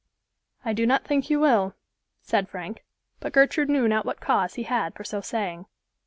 "I do not think you will," said Frank; but Gertrude knew not what cause he had for so saying.